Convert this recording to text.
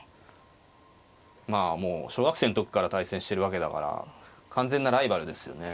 まあもう小学生の時から対戦してるわけだから完全なライバルですよね。